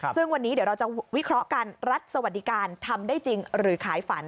ซึ่งวันนี้เดี๋ยวเราจะวิเคราะห์กันรัฐสวัสดิการทำได้จริงหรือขายฝัน